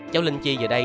cháu linh chi giờ đây